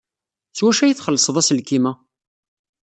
S wacu ay txellṣed aselkim-a?